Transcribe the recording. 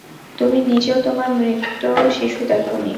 তুমি নিজেও তোমার মৃত শিশু দেখনি।